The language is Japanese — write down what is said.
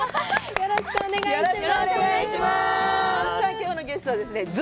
よろしくお願いします。